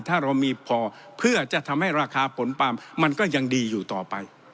ถ้าเรามีพอเพื่อจะทำให้ราคาผลปาล์มมันก็ยังดีอยู่ต่อไป